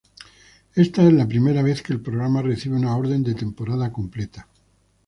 Esta es la primera vez que el programa recibe una orden de temporada completa.